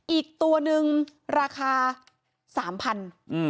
อีกตัวนึงราคา๓๐๐บาท